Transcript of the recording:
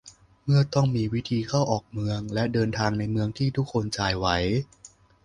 เมืองต้องมีวิธีเข้าออกเมืองและเดินทางในเมืองที่คนทุกคนจ่ายไหว